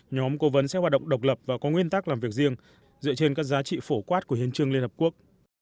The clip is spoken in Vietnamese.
nhóm cố vấn sẽ hoạt động độc lập và có nguyên tắc làm việc riêng dựa trên các giá trị phổ quát của hiến trương liên hợp quốc